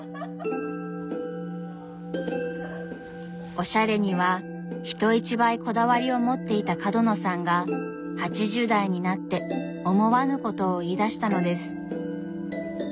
おしゃれには人一倍こだわりを持っていた角野さんが８０代になって思わぬことを言いだしたのです。